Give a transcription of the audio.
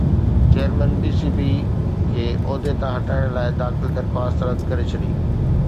chairman P C B کي عهدي تان هٽائڻ لاءِ داخل درخواست رد ڪري ڇڏي